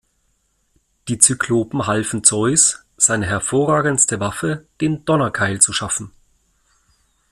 Die Zyklopen halfen Zeus, seine hervorragendste Waffe, den Donnerkeil, zu schaffen.